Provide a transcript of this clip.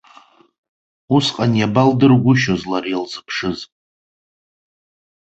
Усҟан иабалдыргәышьоз лара илзыԥшыз?